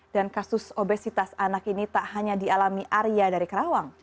dan kasus obesitas anak ini tak hanya dialami arya dari karawang